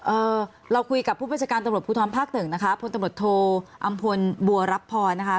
เอ่อเราคุยกับผู้บัญชาการตำรวจภูทรภาคหนึ่งนะคะพลตำรวจโทอำพลบัวรับพรนะคะ